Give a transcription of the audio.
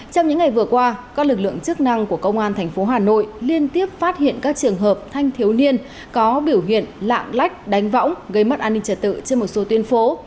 trong những ngày vừa qua các lực lượng chức năng của công an thành phố hà nội liên tiếp phát hiện các trường hợp thanh thiếu niên có biểu hiện lạng lách đánh võng gây mất an ninh trật tự trên một số tuyên phố